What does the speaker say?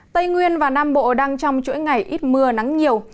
tây nguyên và nam bộ đang trong chuỗi ngày ít mưa nắng nhiều